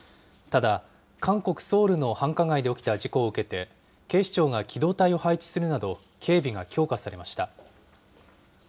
ただ、韓国・ソウルの繁華街で起きた事故を受けて、警視庁が機動隊を配置するなど、警備が強化されました。